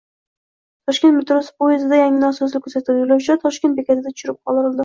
Toshkent metrosi poyezdida yana nosozlik kuzatildi. Yo‘lovchilar “Toshkent” bekatida tushirib qoldirildi